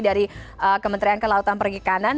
dari kementerian kelautan perikanan